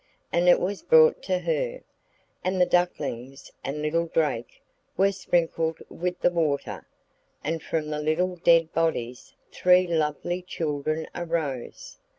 And it was brought to her; and the ducklings and little drake were sprinkled with the water, and from the little dead bodies three lovely children arose.